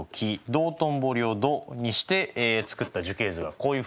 道頓堀を「ど」にして作った樹形図はこういうふうになりました。